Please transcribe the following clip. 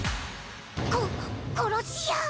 こ殺し屋？